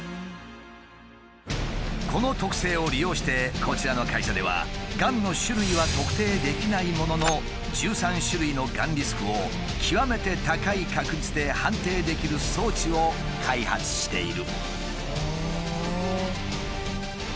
この特性を利用してこちらの会社ではがんの種類は特定できないものの１３種類のがんリスクを極めて高い確率で判定できる装置を開発している。